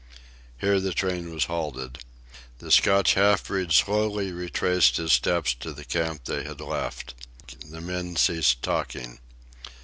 Here the train was halted. The Scotch half breed slowly retraced his steps to the camp they had left. The men ceased talking.